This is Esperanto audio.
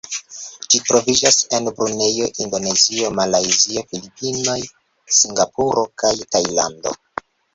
Ĝi troviĝas en Brunejo, Indonezio, Malajzio, Filipinoj, Singapuro kaj Tajlando.